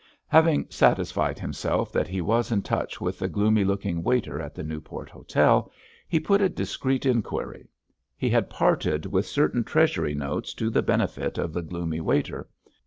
Having satisfied himself that he was in touch with the gloomy looking waiter at the Newport Hotel, he put a discreet inquiry. He had parted with certain Treasury notes to the benefit of the gloomy waiter.